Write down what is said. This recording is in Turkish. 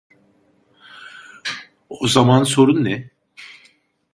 O zaman sorun ne?